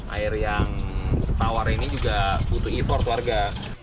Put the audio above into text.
air yang tawar ini juga butuh effort warga